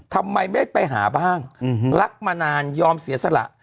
ทำไมไม่ไปหาบ้างรักมานานยอมเสียสละ